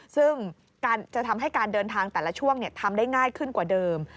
ซึ่งจะทำให้การเดินทางแต่ละช่วงทำได้ง่ายขึ้นกว่าเดิม